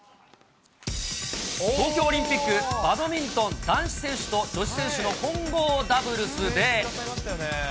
東京オリンピック、バドミントン男子選手と女子選手の混合ダブルスで。